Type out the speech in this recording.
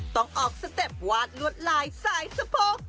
ต้องออกสเต็ปวาดลวดลายสายสะโพก